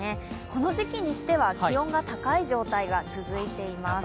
この時期にしては気温が高い状態が続いています。